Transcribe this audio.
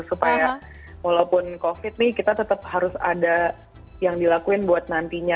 supaya walaupun covid nih kita tetap harus ada yang dilakuin buat nantinya